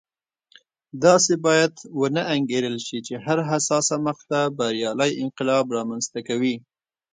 داسې باید ونه انګېرل شي چې هره حساسه مقطعه بریالی انقلاب رامنځته کوي.